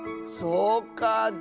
そうかあ。